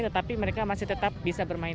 tetapi mereka masih tetap berpengalaman